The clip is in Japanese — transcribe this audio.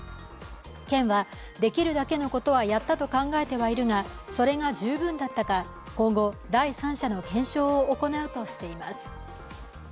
県は、できるだけのことはやったと考えてはいるがそれが十分だったか、今後、第三者の検証を行うとしています。